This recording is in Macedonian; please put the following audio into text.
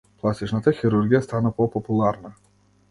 Пластичната хирургија стана попопуларна.